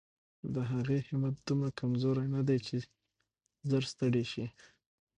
د هغې همت دومره کمزوری نه دی چې ژر ستړې شي.